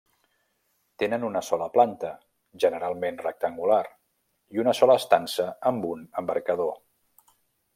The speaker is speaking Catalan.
Tenen una sola planta, generalment rectangular, i una sola estança amb un embarcador.